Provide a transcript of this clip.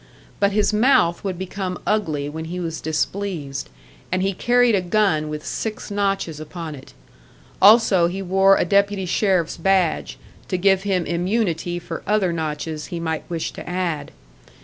But his mouth would become ugly when he was displeased, and he carried a gun with six notches upon it; also he wore a deputy sheriff's badge, to give him immunity for other notches he might wish to add.